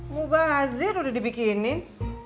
mbak hazir udah dibikinin